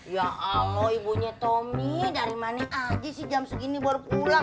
ya allah ibunya tommy dari mana aja sih jam segini baru pulang